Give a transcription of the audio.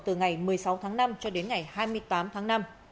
từ ngày một mươi sáu tháng năm cho đến ngày hai mươi tám tháng năm